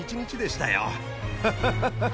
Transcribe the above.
ハハハハ。